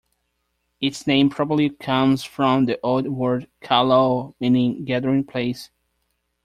Its name probably comes from the old word "kálló" meaning "gathering place".